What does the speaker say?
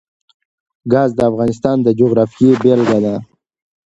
ګاز د افغانستان د جغرافیې بېلګه ده.